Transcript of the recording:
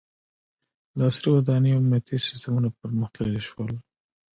• د عصري ودانیو امنیتي سیستمونه پرمختللي شول.